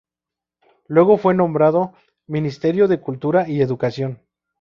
Luego fue nombrado Ministro de Cultura y Educación.